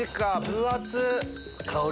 分厚っ！